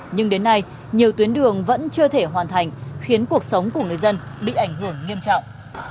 nhưng đến nay nhiều tuyến đường vẫn chưa thể hoàn thành khiến cuộc sống của người dân bị ảnh hưởng nghiêm trọng